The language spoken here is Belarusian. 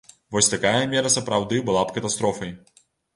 Вось такая мера сапраўды было б катастрофай.